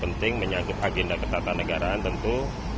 penting menyangkut agenda ketatanegaraan tentu